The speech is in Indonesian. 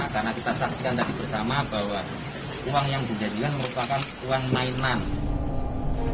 karena kita saksikan tadi bersama bahwa uang yang dijadikan merupakan uang mainan